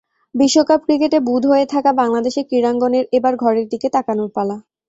বিশ্বকাপ ক্রিকেটে বুঁদ হয়ে থাকা বাংলাদেশের ক্রীড়াঙ্গনের এবার ঘরের দিকে তাকানোর পালা।